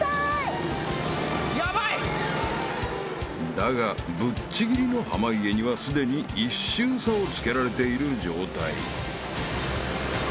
［だがぶっちぎりの濱家にはすでに１周差をつけられている状態］